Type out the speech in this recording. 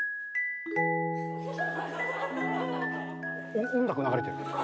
お音楽流れてる。